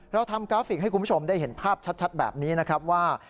เราทำกราฟิกให้คุณผู้ชมได้เห็นภาพชัดแบบนี้นะครับว่า